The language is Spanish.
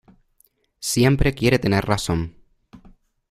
Siempre quiere tener razón.